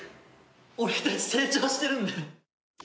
俺たち成長してるんだよ。